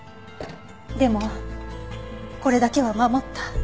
でもこれだけは守った。